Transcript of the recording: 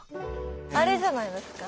あれじゃないですか？